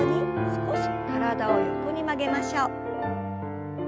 少し体を横に曲げましょう。